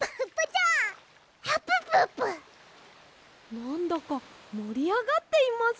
なんだかもりあがっています。